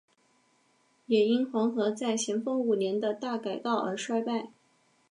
也因黄河在咸丰五年的大改道而衰败。